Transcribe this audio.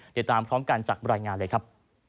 ติดตามพร้อมกันจากรายงานเลยครับ